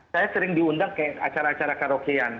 saya sering diundang kayak acara acara karaokean